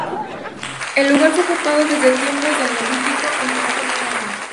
El lugar fue ocupado desde tiempos del neolítico aunque no continuamente.